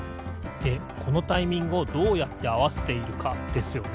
でこのタイミングをどうやってあわせているかですよね。